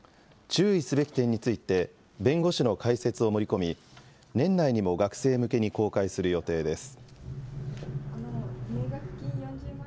注意すべき点について、弁護士の解説を盛り込み、年内にも学生向けに公開する予定です。